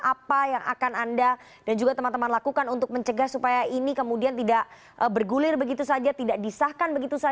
apa yang akan anda dan juga teman teman lakukan untuk mencegah supaya ini kemudian tidak bergulir begitu saja tidak disahkan begitu saja